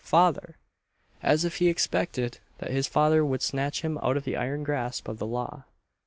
Father!" as if he expected that his father could snatch him out of the iron grasp of the law.